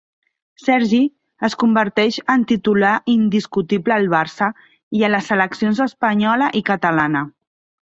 Sergi es converteix en titular indiscutible al Barça i a les seleccions espanyola i catalana.